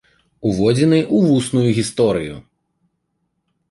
Уводзіны ў вусную гісторыю.